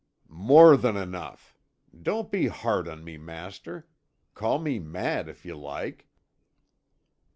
"More than enough. Don't be hard on me, master; call me mad if you like."